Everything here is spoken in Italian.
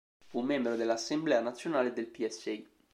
Fu membro dell'assemblea nazionale del Psi.